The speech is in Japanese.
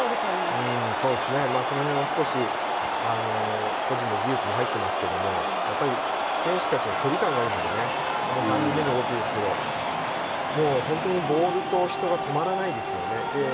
これは少し個人の技術も入っていますけど選手たちの距離感がいいので３人目の動きですけど本当にボールと人が止まらないですよね。